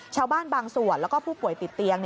ชาวบ้านบางส่วนแล้วก็ผู้ป่วยติดเตียง